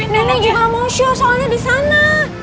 nenek juga mau show soalnya di sana